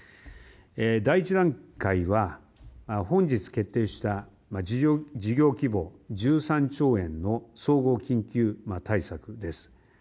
第１段階は本日決定した事業規模１３兆円の総合緊急対策です。